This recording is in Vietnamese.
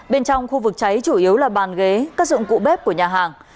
bên trong khu vực cháy chủ yếu là bàn ghế các dụng cụ bếp của nhà hàng